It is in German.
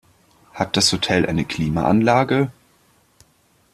Hat das Hotel eine Klimaanlage?